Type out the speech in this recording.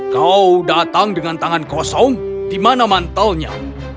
kau datang dengan tangan kosong di mana mantelnya